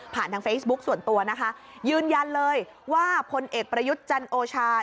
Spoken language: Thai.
ทางเฟซบุ๊กส่วนตัวนะคะยืนยันเลยว่าพลเอกประยุทธ์จันโอชา